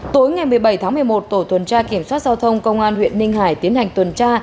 tối ngày một mươi bảy tháng một mươi một tổ tuần tra kiểm soát giao thông công an huyện ninh hải tiến hành tuần tra